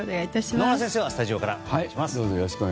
野村先生はスタジオからお願いします。